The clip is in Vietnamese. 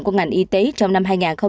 của ngành y tế trong năm hai nghìn hai mươi